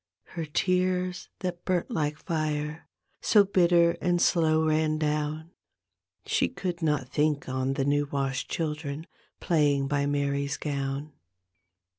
Her tears that burnt like fire So bitter and slow ran down She could not think on the new washed children Flaying by Mary's gown.